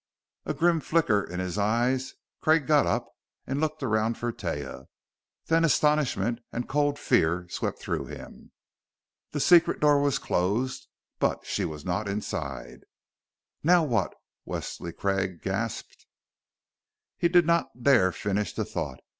A grim flicker in his eyes, Craig got up and looked around for Taia. Then astonishment and cold fear swept through him. The secret door was closed but she was not inside! "Now what " Wesley Craig gasped. He did not dare finish the thought.